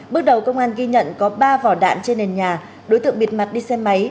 bước đầu công an ghi nhận có ba vỏ đạn trên nền nhà đối tượng bịt mặt đi xe máy